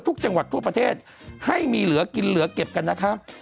ทุกจังหวัดทั่วประเทศให้มีเหลือกินเหลือเก็บกันนะครับ